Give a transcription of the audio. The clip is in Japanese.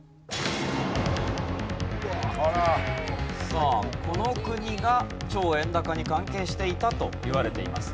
さあこの国が超円高に関係していたといわれています。